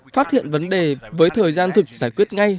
phát hiện vấn đề với thời gian thực giải quyết ngay